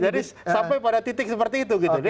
jadi sampai pada titik seperti itu gitu